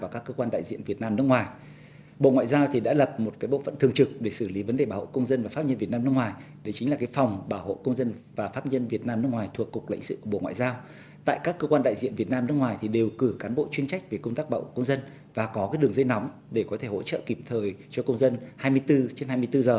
các cơ quan đại diện việt nam nước ngoài đều cử cán bộ chuyên trách về công tác bảo hộ công dân và có đường dây nóng để hỗ trợ kịp thời cho công dân hai mươi bốn h trên hai mươi bốn h